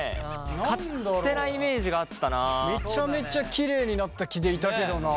めちゃめちゃきれいになった気でいたけどな。